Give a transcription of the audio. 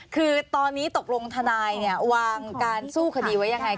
คือตอนนี้ตกลงทนายเนี่ยวางการสู้คดีไว้ยังไงค